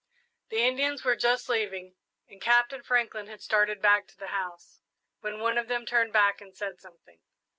The Indians were just leaving, and Captain Franklin had started back to the house, when one of them turned back and said something.